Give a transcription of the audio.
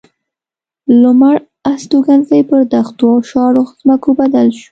لومړ هستوګنځي پر دښتو او شاړو ځمکو بدل شول.